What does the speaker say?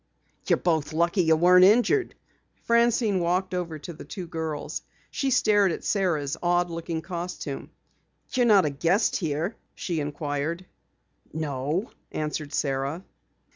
"You're both lucky you weren't injured." Francine walked over to the two girls. She stared at Sara's odd looking costume. "You're not a guest here?" she inquired. "No," answered Sara.